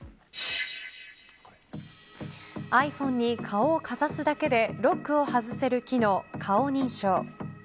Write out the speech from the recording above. ｉＰｈｏｎｅに顔をかざすだけでロックを外せる機能、顔認証。